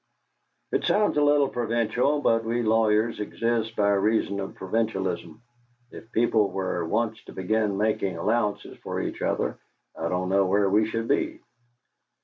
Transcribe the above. "It sounds a little provincial, but we lawyers exist by reason of provincialism. If people were once to begin making allowances for each other, I don't know where we should be."